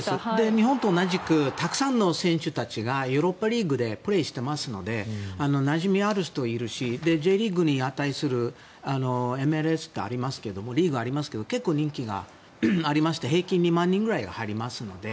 日本と同じくたくさんの選手たちがヨーロッパリーグでプレーしてますのでなじみある人、いるしＪリーグに値するＭＬＳっていうリーグがありますが結構人気がありまして平均２万人ぐらい入りますので。